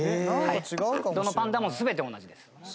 どのパンダも全て同じです。